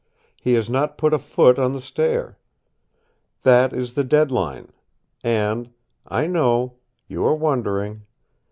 He has not put a foot on the stair. That is the dead line. And I know you are wondering.